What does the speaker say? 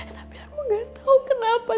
tapi aku gak tahu kenapa